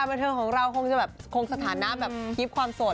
บันเทิงของเราคงจะแบบคงสถานะแบบกิฟต์ความโสด